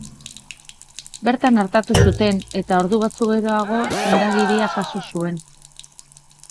Bertan artatu zuten, eta ordu batzuk geroago sendagiria jaso zuen.